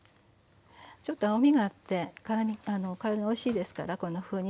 ちょっと青みがあって辛み貝割れ菜おいしいですからこんなふうに。